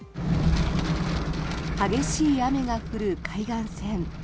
激しい雨が降る海岸線。